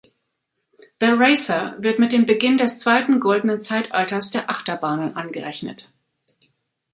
The Racer wird mit dem Beginn des zweiten goldenen Zeitalters der Achterbahnen angerechnet.